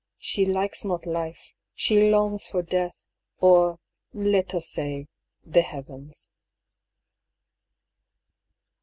She likes not life, she longs for death, or, let us say, the heavens."